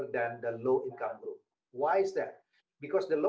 dan restoran tidak bisa